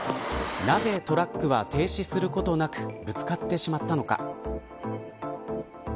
なぜトラックは停止することなくぶつかってしまったのか。